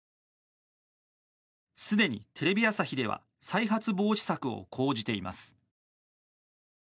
すでにテレビ朝日では再発防止策を講じています。